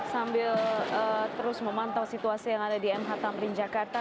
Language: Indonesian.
sambil terus memantau situasi yang ada di mh tamrin jakarta